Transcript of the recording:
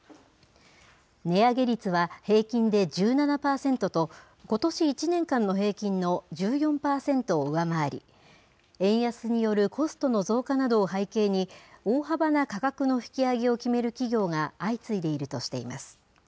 値上げ率は平均で１７％と、ことし１年間の平均の１４％を上回り、円安によるコストの増加などを背景に、大幅な価格の引き上げを決める企業が相次いでいるとしています。